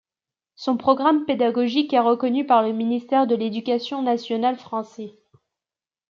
Son programme pédagogique est reconnu par le Ministère de l’Éducation Nationale français.